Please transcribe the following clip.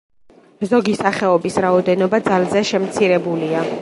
ზოგი სახეობის რაოდენობა ძალზე შემცირებულია.